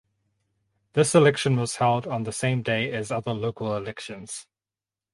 This election was held on the same day as other local elections.